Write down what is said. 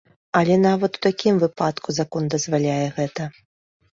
Але нават у такім выпадку закон дазваляе гэта.